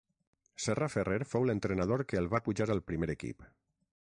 Serra Ferrer fou l'entrenador que el va pujar al primer equip.